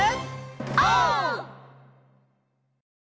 オー！